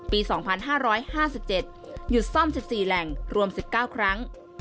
ปี๒๕๕๗หยุดซ่อม๑๔แหล่งรวม๑๙ครั้ง